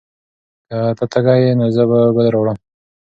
که ته تږی یې، نو زه به اوبه راوړم.